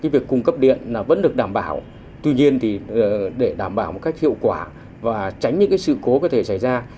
việc cung cấp điện vẫn được đảm bảo tuy nhiên để đảm bảo một cách hiệu quả và tránh những sự cố có thể xảy ra